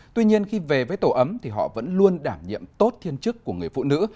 tuy nhiên khi về với tổ ấm thì họ vẫn luôn đảm nhiệm tốt thiên chức của người phụ nữ